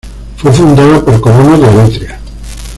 Fue fundada por colonos de Eretria.